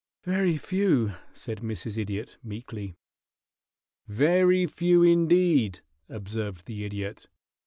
"Very few," said Mrs. Idiot, meekly. "Very few, indeed," observed the Idiot.